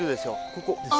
ここです。